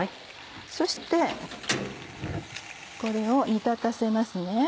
そしてこれを煮立たせますね。